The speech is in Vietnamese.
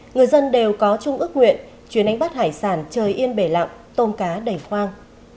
người dân đều có chung ước nguyện chuyến đánh bắt hải sản trời yên bể lặng tôm cá đầy khoang